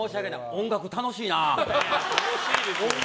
音楽、楽しいな。